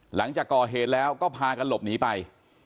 หลังจากก่อเหตุแล้วก็พากันหลบหนีไป